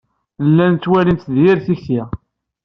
Llan ttwalin-tt d yir tikti.